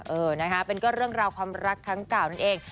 เออนะคะเป็นก็เรื่องราวความรักครั้งเก่านั่นเอง